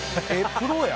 プロや。